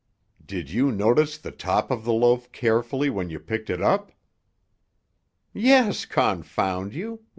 "Did you notice the top of the loaf carefully when you picked it up?" "Yes, confound you!